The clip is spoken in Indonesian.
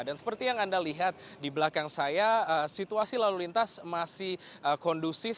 dan seperti yang anda lihat di belakang saya situasi lalu lintas masih kondusif